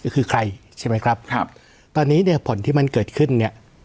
คือใครใช่ไหมครับตอนนี้ผลที่มันเกิดขึ้น